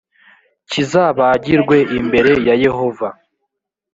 kizabagirwe imbere ya yehova